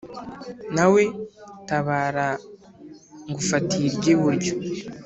nawe tabara ngufatiye iryiburyo